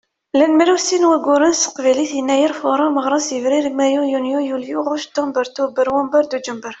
Llan mraw sin n wagguren s teqbaylit: Yennayer, Fuṛar, Meɣres, Yebrir, Mayyu, Yunyu, Yulyu, Ɣuct, Ctamber, Tuber, Wamber, Dujember.